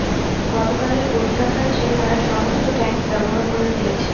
গতকালের উদ্ধারকার্যে, তারা সমস্ত ট্যাঙ্ক ব্যবহার করে ফেলেছে।